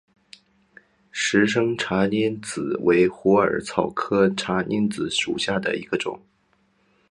石生茶藨子为虎耳草科茶藨子属下的一个种。